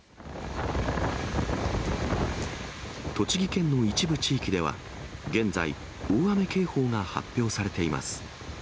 栃木県の一部地域では、現在、大雨警報が発表されています。